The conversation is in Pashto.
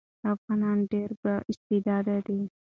افغانان ډېر با استعداده دي.